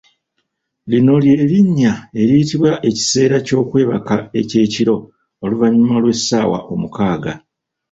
Lino ly'erinnya eriyitibwa ekiseera ky'okwebaka eky'ekiro oluvannyuma lw'essaawa omukaaga.